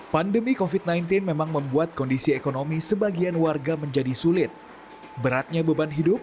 pandemi covid sembilan belas memang membuat kondisi ekonomi sebagian warga menjadi sulit beratnya beban hidup